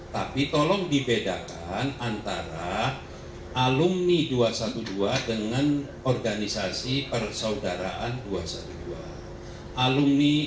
tapi tolong dibedakan antara alumni dua ratus dua belas dengan organisasi persaudaraan dua ratus dua belas